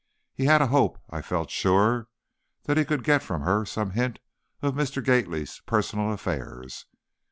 He had a hope, I felt sure, that he could get from her some hint of Mr. Gately's personal affairs.